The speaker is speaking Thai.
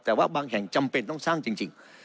แต่ว่าบางแห่งจำเป็นต้องสร้างจริง